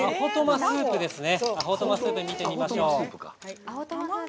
「アホトマスープ」見てみましょう。